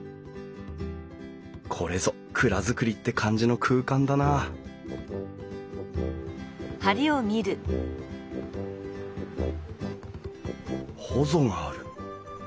これぞ蔵造りって感じの空間だなほぞがある。